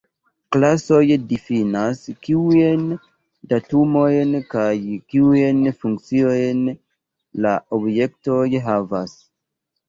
Klasoj difinas kiujn datumojn kaj kiujn funkciojn la objektoj havos.